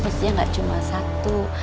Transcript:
mestinya gak cuma satu